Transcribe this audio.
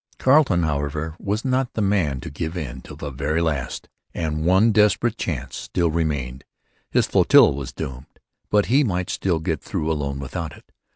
Carleton, however, was not the man to give in till the very last; and one desperate chance still remained. His flotilla was doomed. But he might still get through alone without it.